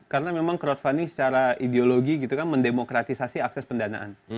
karena memang crowdfunding secara ideologi gitu kan mendemokratisasi akses pendanaan